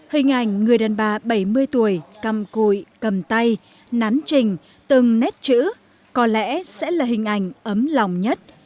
hình ảnh người đàn bà bảy mươi tuổi cầm cùi cầm tay nắn trình từng nét chữ có lẽ sẽ là hình ảnh ấm lòng nhất